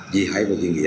dì hải và duy nghĩa